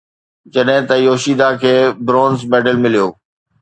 جڏهن ته يوشيدا کي برونز ميڊل مليو